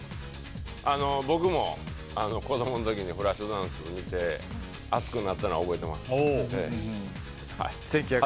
僕も子供の時に「フラッシュダンス」を見て熱くなったのは覚えてます。